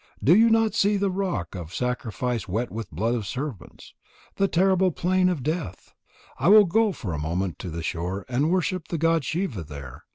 Do you not see the rock of sacrifice wet with the blood of serpents, the terrible plaything of Death? I will go for a moment to the shore and worship the god Shiva there.